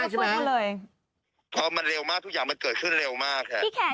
หอมันเร็วมากหรอตรงแข่มันเร็วมากใช่ไหม